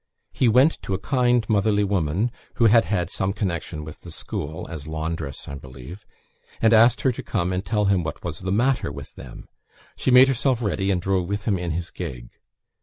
He went to a kind motherly woman, who had had some connection with the school as laundress, I believe and asked her to come and tell him what was the matter with them. She made herself ready, and drove with him in his gig.